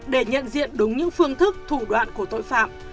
để nhận diện đúng những phương thức thủ đoạn của tội phạm